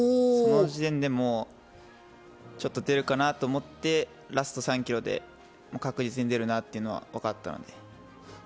その時点で出るかなと思って、ラスト３ｋｍで確実に出るなというのはわかったので。